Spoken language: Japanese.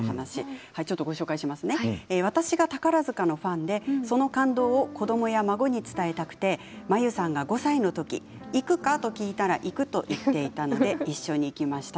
私が宝塚のファンで、その感動を子どもや孫に伝えたくて真由さんが５歳の時に行くかと聞いたら行くと言ったので一緒に行きました。